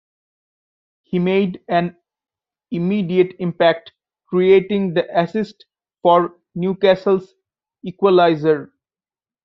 He made an immediate impact, creating the assist for Newcastle's equaliser.